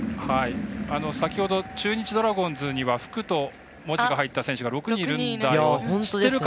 先ほど中日ドラゴンズには「福」と文字が入った選手が６人いると。